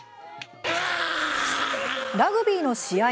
ラグビーの試合